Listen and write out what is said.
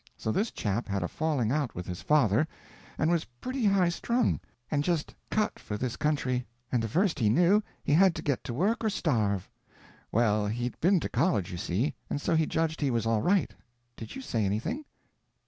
So this chap had a falling out with his father, and was pretty high strung, and just cut for this country, and the first he knew he had to get to work or starve. Well, he'd been to college, you see, and so he judged he was all right—did you say anything?"